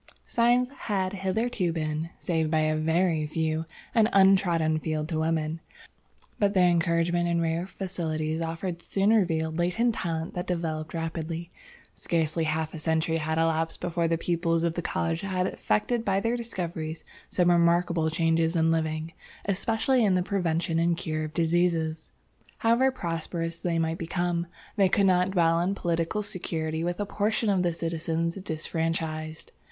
"Science had hitherto been, save by a very few, an untrodden field to women, but the encouragement and rare facilities offered soon revealed latent talent that developed rapidly. Scarcely half a century had elapsed before the pupils of the college had effected by their discoveries some remarkable changes in living, especially in the prevention and cure of diseases. "However prosperous they might become, they could not dwell in political security with a portion of the citizens disfranchised.